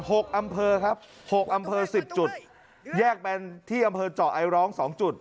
หกอำเภอครับหกอำเภอสิบจุดแยกเป็นที่อำเภอเจาะไอร้องสองจุด